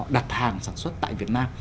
đặt hàng sản xuất tại việt nam